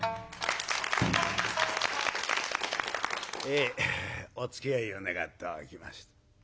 えおつきあいを願っておきまして。